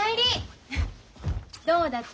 どうだった？